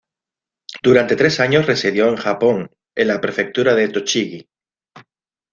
Durante tres años residió en Japón en la prefectura de Tochigi.